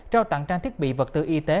trao tặng trang thiết bị vật tư y tế